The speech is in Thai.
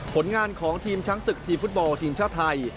ผลงานของทีมช้างศึกทีมฟุตบอลทีมชาติไทย